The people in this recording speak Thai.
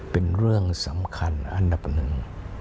เป็นเรื่องสำคัญอันดับหนึ่ง